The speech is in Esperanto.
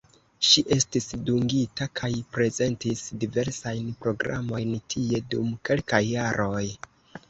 Ŝi estis dungita kaj prezentis diversajn programojn tie dum kelkaj jaroj.